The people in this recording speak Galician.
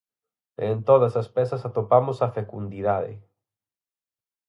E en todas as pezas atopamos a fecundidade.